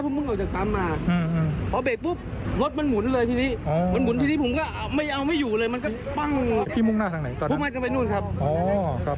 พี่มุ่งหน้าทางไหนตอนนั้นพี่มุ่งหน้าจะไปนู่นครับอ๋อครับ